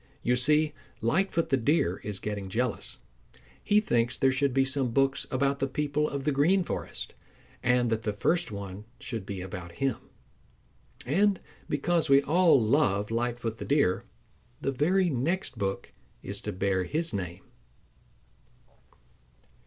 You see, Lightfoot the Deer is getting jealous. He thinks there should be some books about the people of the Green Forest, and that the first one should be about him. And because we all love Lightfoot the Deer, the very next book is to bear his name.